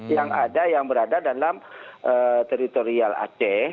yang ada yang berada dalam teritorial aceh